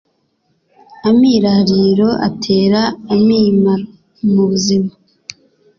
Amirariro atera amimaro mu buzima